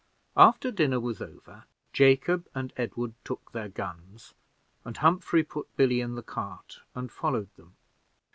After dinner was over, Jacob and Edward took their guns, and Humphrey put Billy in the cart and followed them.